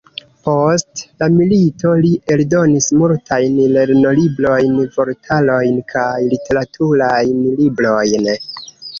Post la milito li eldonis multajn lernolibrojn, vortarojn kaj literaturajn librojn.